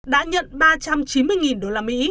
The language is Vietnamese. đã nhận ba trăm chín mươi usd